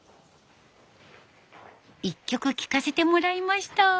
一曲聴かせてもらいました。